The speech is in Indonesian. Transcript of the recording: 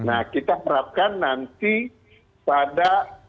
jadi target pertama adalah meloloskan sebanyak banyaknya